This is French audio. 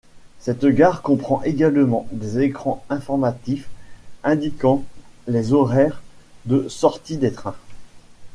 Cette gare comprend également des écrans informatifs indiquant les horaires de sortie des trains.